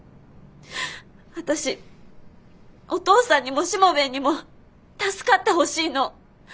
私お父さんにもしもべえにも助かってほしいの！